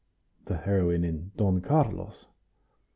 (the heroine in "Don Carlos").